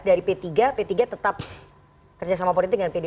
jadi p tiga tetap kerjasama politik